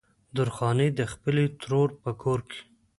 درخانۍ د خپلې ترور په کور